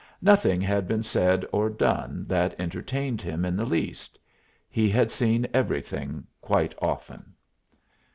Nothing had been said or done that entertained him in the least. He had seen everything quite often.